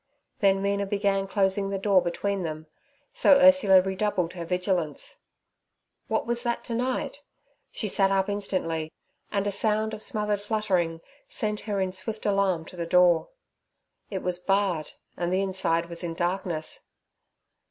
Then Mina began closing the door between them, so Ursula redoubled her vigilance. What was that to night? She sat up instantly, and a sound of smothered fluttering sent her in swift alarm to the door. It was barred, and the inside was in darkness.